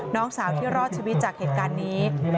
น้องสาวที่รอดชีวิตจากเหตุการณ์นี้